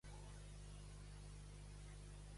Fer-hi un estar de reis.